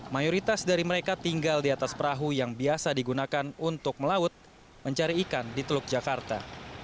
mayoritas dari mereka tinggal di atas perahu yang biasa digunakan untuk melaut mencari ikan di teluk jakarta